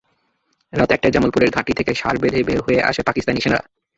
রাত একটায় জামালপুরের ঘাঁটি থেকে সার বেঁধে বের হয়ে আসে পাকিস্তানি সেনারা।